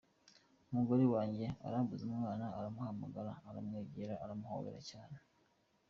Umugore wanjye arembuza umwana aramuhamagara aramwegera aramuhobera cyane.